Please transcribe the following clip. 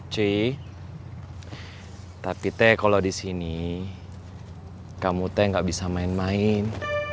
c tapi teh kalau di sini kamu teh nggak bisa main main